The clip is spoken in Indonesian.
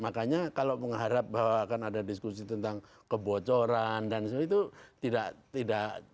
makanya kalau mengharap bahwa akan ada diskusi tentang kebocoran dan sebagainya itu tidak